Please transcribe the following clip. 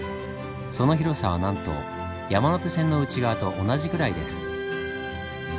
その広さはなんと山手線の内側と同じぐらいです。